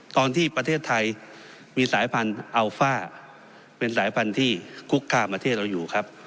ประเทศไทยมีสายพันธุ์อัลฟ่าเป็นสายพันธุ์ที่คุกคามประเทศเราอยู่ครับ